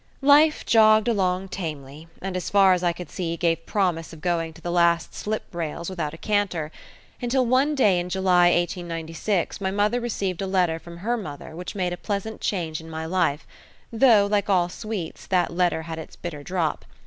Life jogged along tamely, and, as far as I could see, gave promise of going to the last slip rails without a canter, until one day in July 1896 mother received a letter from her mother which made a pleasant change in my life, though, like all sweets, that letter had its bitter drop.